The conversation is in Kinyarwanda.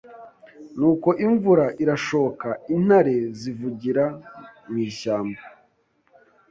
Nuko imvura irashoka, intare zivugira mu ishyamba